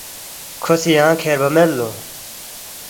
کھو سی یانگ کھیربا میدلو